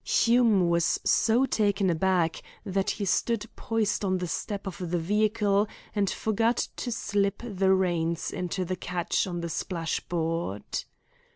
Hume was so taken aback that he stood poised on the step of the vehicle and forgot to slip the reins into the catch on the splashboard.